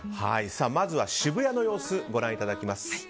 まずは渋谷の様子ご覧いただきます。